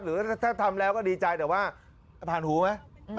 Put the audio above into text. หรือถ้าทำแล้วก็ดีใจแต่ว่าผ่านหูไหม